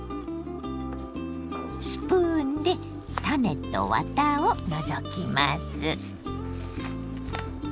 スプーンで種とワタを除きます。